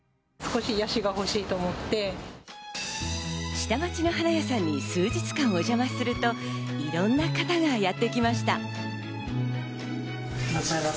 下町の花屋さんに数日間お邪魔すると、いろんな方がやってきました。